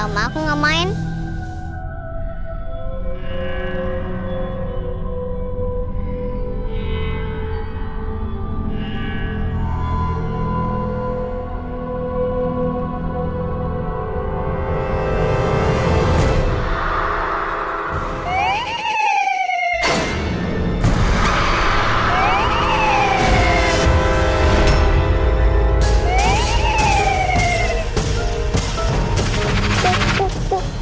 perut habis yang bener